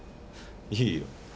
いいよ。